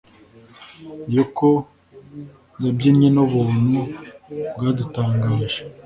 Yoko yabyinnye nubuntu bwadutangaje